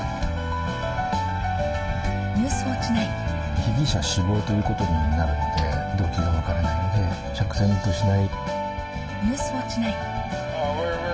被疑者死亡ということになるので、動機が分からないので釈然としない。